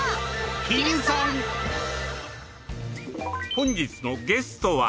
本日のゲストは。